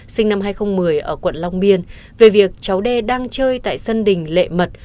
sinh năm hai nghìn một mươi ở quận long biên về việc cháu đê đang chơi tại sân đình lệ mật